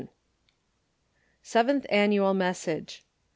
SEVENTH ANNUAL MESSAGE.